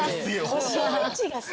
腰の位置がさ